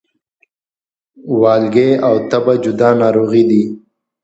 والګی او تبه جدا ناروغي دي